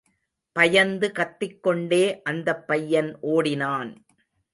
பயந்து கத்திக் கொண்டே, அந்தப் பையன் ஓடினான்.